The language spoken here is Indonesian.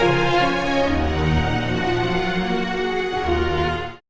karena badan bubik gede kayak candi